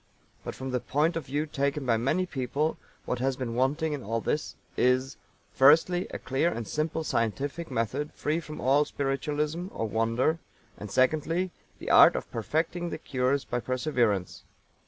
But from the point of view taken by many people what has been wanting in all is, firstly, a clear and simple scientific method free from all spiritualism or wonder, and, secondly, the art of Perfecting the cures by Perseverance.